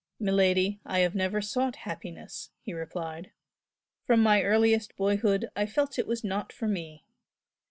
"Miladi, I have never sought happiness," he replied; "From my earliest boyhood I felt it was not for me.